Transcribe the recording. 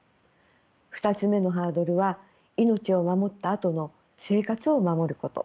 ２つ目のハードルは命を守ったあとの生活を守ること。